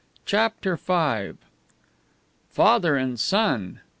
CHAPTER V Father and son!